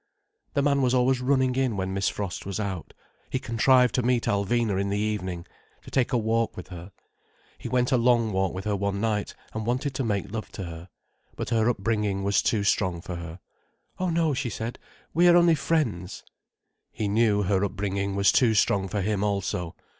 The man was always running in when Miss Frost was out. He contrived to meet Alvina in the evening, to take a walk with her. He went a long walk with her one night, and wanted to make love to her. But her upbringing was too strong for her. "Oh no," she said. "We are only friends." He knew her upbringing was too strong for him also.